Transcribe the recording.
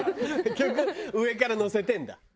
曲上からのせてるんだ。